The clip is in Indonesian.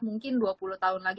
mungkin dua puluh tahun lagi